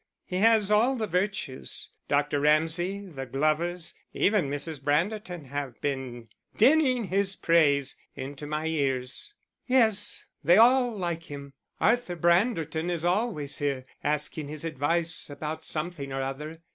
"He has all the virtues. Dr. Ramsay, the Glovers, even Mrs. Branderton, have been dinning his praise into my ears." "Yes, they all like him. Arthur Branderton is always here, asking his advice about something or other.